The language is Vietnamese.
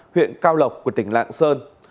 huyện cao lộc tỉnh lạng sơn